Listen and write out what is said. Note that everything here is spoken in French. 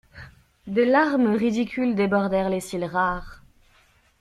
Des larmes ridicules débordèrent les cils rares.